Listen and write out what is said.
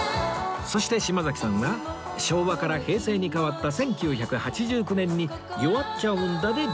そして島崎さんは昭和から平成に変わった１９８９年に『弱っちゃうんだ』でデビュー